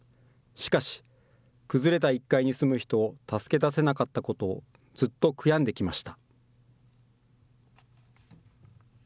しかし、崩れた１階に住む人を助け出せなかったことをずっと悔やんできました。